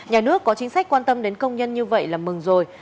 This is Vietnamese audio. nhà nước có chính sách quan tâm đến công nhân như vậy là mừng rồi